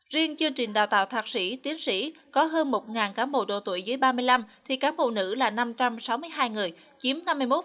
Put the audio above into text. riêng chương trình đào tạo thạc sĩ tiến sĩ có hơn một cán bộ độ tuổi dưới ba mươi năm thì cán bộ nữ là năm trăm sáu mươi hai người chiếm năm mươi một bảy mươi